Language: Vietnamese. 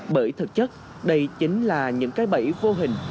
bởi thực chất đây chính là những cái bẫy vô hình